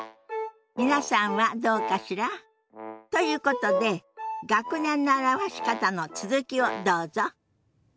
皆さんはどうかしら？ということで学年の表し方の続きをどうぞ。